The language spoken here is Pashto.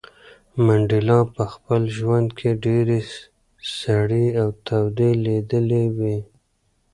منډېلا په خپل ژوند کې ډېرې سړې او تودې لیدلې وې.